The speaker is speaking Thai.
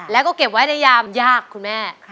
แล้วก็เก็บไว้ในยามยากคุณแม่